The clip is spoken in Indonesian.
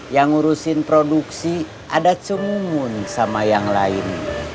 yang ngurusin produksi ada cemungun sama yang lain